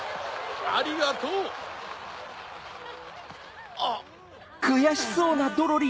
ありがとう！あっ。